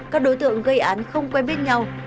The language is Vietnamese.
các đối tượng gây án không quen biết nhau